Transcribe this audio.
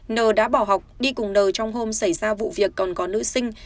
n đã bỏ học đi cùng n trong hôm xảy ra vụ việc còn có nữ sinh